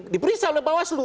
diperiksa oleh bawaslu